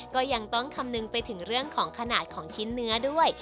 ก็ยังต้องคำนึงไปถึงเรื่องของขนาดของชิ้นเนื้อด้วย